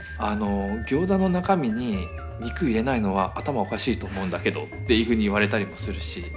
「ギョーザの中身に肉入れないのは頭おかしいと思うんだけど」っていうふうに言われたりもするし。